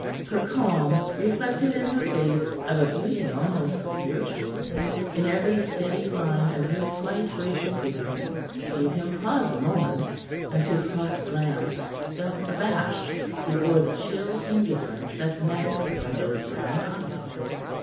Her calm, reflected in her face of a beauty almost spiritual, in every steady line of her slight, graceful figure, gave him pause a moment, and his hot glance fell abashed before the chill indifference that met him from those brown eyes.